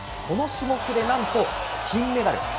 この種目で、なんと金メダル。